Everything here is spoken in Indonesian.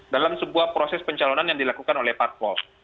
dalam sebuah proses pencalonan yang dilakukan oleh parpol